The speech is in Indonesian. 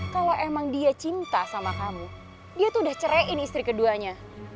kalau emang dia cinta sama kamu dia tuh udah cerein istri keduanya